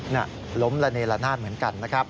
น่ะล้มระเนละนาดเหมือนกันนะครับ